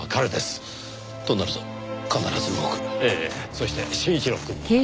そして真一郎くんも。